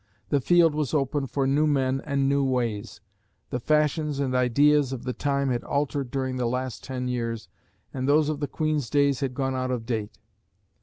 The field was open for new men and new ways; the fashions and ideas of the time had altered during the last ten years, and those of the Queen's days had gone out of date.